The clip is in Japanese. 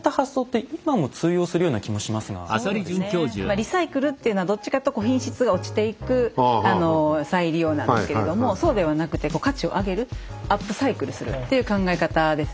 リサイクルっていうのはどっちかというと品質が落ちていく再利用なんですけれどもそうではなくても価値を上げるアップサイクルするっていう考え方ですよね。